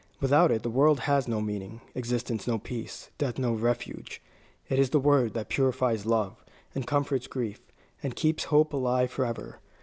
Without it the world has no meaning, existence no peace, death no refuge. It is the word that purifies love, and comforts grief, and keeps hope alive forever.